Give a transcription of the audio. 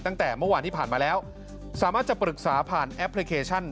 ตั้งแต่เมื่อวานที่ผ่านมาแล้วสามารถจะปรึกษาผ่านแอปพลิเคชัน